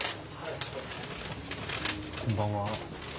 こんばんは。